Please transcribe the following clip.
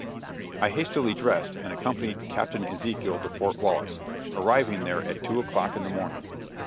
I hastily dressed, and accompanied Captain Ezekiel to Fort Wallace, arriving there at two o'clock in the morning.